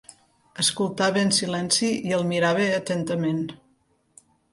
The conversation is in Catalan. Escoltava en silenci i el mirava atentament.